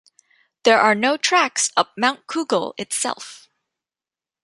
There are no tracks up Mount Cougal itself.